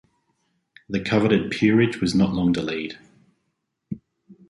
The coveted peerage was not long delayed.